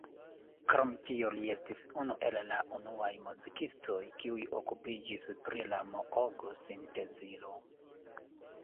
Krom tio li estis unu el la unuaj muzikistoj, kiuj okupiĝis pri la Moog-sintezilo.